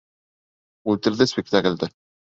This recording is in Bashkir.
Үлтерҙе спектаклде!